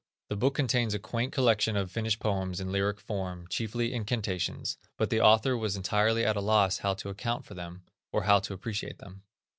The book contains a quaint collection of Finnish poems in lyric forms, chiefly incantations; but the author was entirely at a loss how to account for them, or how to appreciate them.